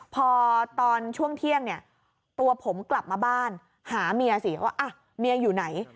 พอตอนช่วงเที่ยงเนี่ยตัวผมกลับมาบ้านหาเมียสิว่าเมียอยู่ไหน